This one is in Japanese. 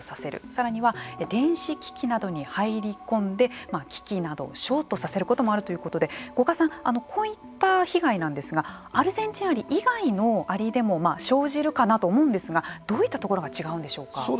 さらには電子機器などに入りこんで機器などをショートさせることもあるということで五箇さんこういった被害なんですがアルゼンチンアリ以外のアリでも生じるかなと思うんですがどういったところが違うんでしょうか。